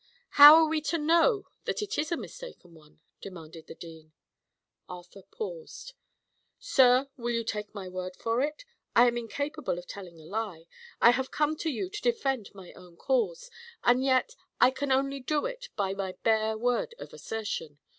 "How are we to know that it is a mistaken one?" demanded the dean. Arthur paused. "Sir, will you take my word for it? I am incapable of telling a lie. I have come to you to defend my own cause; and yet I can only do it by my bare word of assertion.